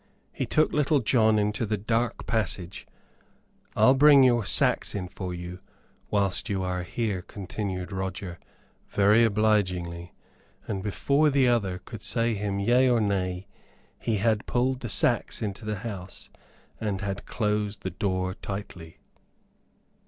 He took Little John into the dark passage. "I'll bring your sacks in for you, whilst you are here," continued Roger, very obligingly; and before the other could say him yea or nay, he had pulled the sacks into the house and had closed the door tightly.